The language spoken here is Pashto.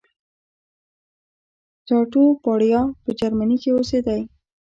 چاټوپاړیا په جرمني کې اوسېدی.